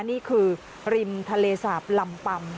นี่คือริมทะเลสาบลำปำ